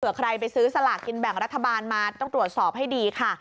ใครไปซื้อสลากกินแบ่งรัฐบาลมาต้องตรวจสอบให้ดีค่ะ